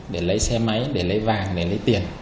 để lấy xe máy để lấy vàng để lấy tiền